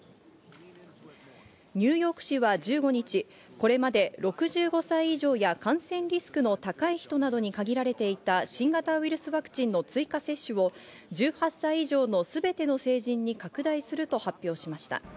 ニューヨーク市は１５日、これまで６５歳以上や感染リスクの高い人などに限られていた新型ウイルスワクチンの追加接種を１８歳以上のすべての成人に拡大すると発表しました。